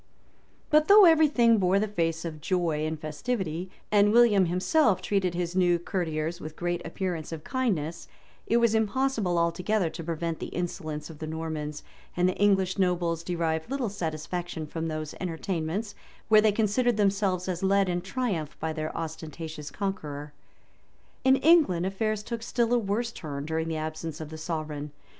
] But though every thing bure the face of joy and festivity, and William himself treated nia new courtiers with great appearance of kindness, it was impossible altogether to prevent the insolence of the Normans; and the English nobles derived little satisfaction from those entertainments, where they considered themselves as led in triumph by their ostentatious conqueror. In England affairs took still a worse turn during the absence of the sovereign.